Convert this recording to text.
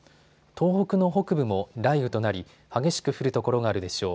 東北の北部も雷雨となり激しく降る所があるでしょう。